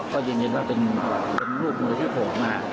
ก็ยืนยันว่าเป็นรูปมือที่โผล่มา